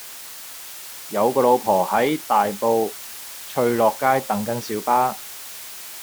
有個老婆婆喺大埔翠樂街等緊小巴